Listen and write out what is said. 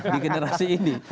di generasi ini